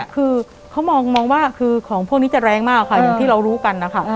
คือเขามองว่าคือของพวกนี้จะแรงมากค่ะอย่างที่เรารู้กันนะคะ